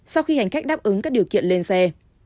sau khi hành khách đáp ứng các điều kiện lên xe